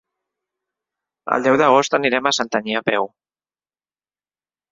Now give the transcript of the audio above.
El deu d'agost anirem a Santanyí a peu.